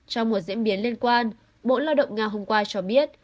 trong một diễn biến liên quan bộ lao động nga hôm qua cho biết